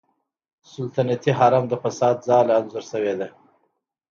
سلطنتي حرم د فساد ځاله انځور شوې ده.